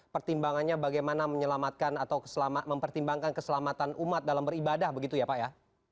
pertimbangannya bagaimana menyelamatkan atau mempertimbangkan keselamatan umat dalam beribadah begitu ya pak ya